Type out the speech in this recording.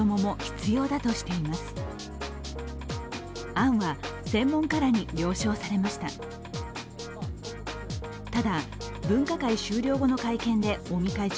案は専門家らに了承されました。